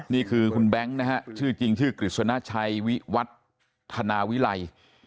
นี่คือคุณแบงค์นะฮะชื่อจริงชื่อกฤษณชัยวิวัฒนาวิลัย